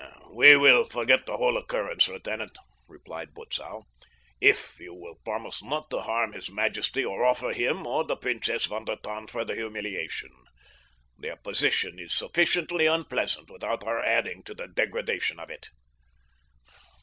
"We will forget the whole occurrence, lieutenant," replied Butzow, "if you will promise not to harm his majesty, or offer him or the Princess von der Tann further humiliation. Their position is sufficiently unpleasant without our adding to the degradation of it."